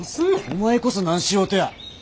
お前こそ何しようとや。